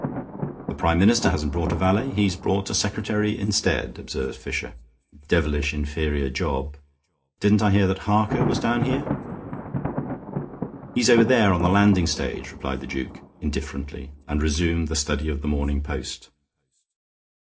"The Prime Minister hasn't brought a valet; he's brought a secretary instead," observed Fisher. "Devilish inferior job. Didn't I hear that Harker was down here?" "He's over there on the landing stage," replied the duke, indifferently, and resumed the study of the Morning Post.